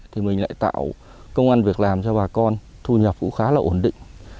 thì mình lại tạo công an việc làm cho bà con thu nhập cũng khá là ổn định